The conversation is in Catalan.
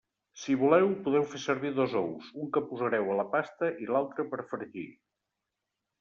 Si voleu, podeu fer servir dos ous: un que posareu a la pasta i l'altre per a fregir.